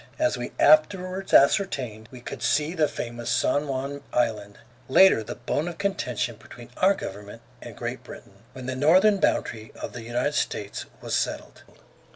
As we afterwards ascertained, we could see the famous San Juan Island, later the bone of contention between our government and Great Britain, when the northern boundary of the United States was settled.